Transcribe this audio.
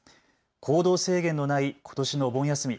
行動制限のないことしのお盆休み。